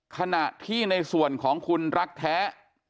ขณะที่ในส่วนของคุณรักแท้